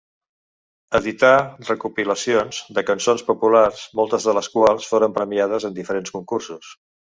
Edità recopilacions de cançons populars, moltes de les quals foren premiades en diferents concursos.